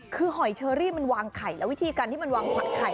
คือหอยเชอรี่มันวางไข่แล้ววิธีการที่มันวางผัดไข่